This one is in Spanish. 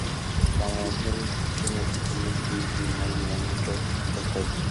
Para hacerse escribir una canción más convincente que "More", Miranda "fue metódico".